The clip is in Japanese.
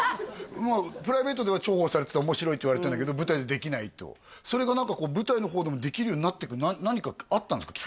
プライベートでは重宝されてて面白いって言われてんだけど舞台でできないとそれが何かこう舞台の方でもできるようになってく何かあったんですか？